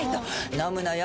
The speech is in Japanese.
飲むのよ